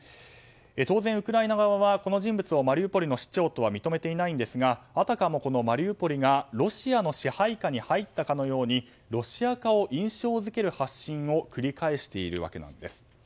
当然ウクライナ側はこの人物をマリウポリの市長とは認めていませんがあたかも、マリウポリがロシアの支配下に入ったかのようにロシア化を印象付ける発信を繰り返しているんです。